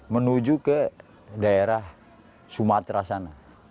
menuju ke daerah sumatera sana